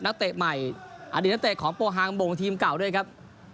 เตะใหม่อดีตนักเตะของโปฮางบงทีมเก่าด้วยครับ